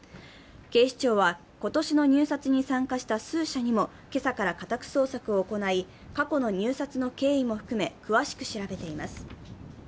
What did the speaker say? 警視庁は今年の入札に参加した数社にも今朝から家宅捜索を行い、過去の入札の経緯も含め詳しく調べています。